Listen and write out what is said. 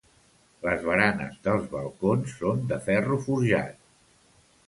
Les baranes dels balcons són de ferro forjat.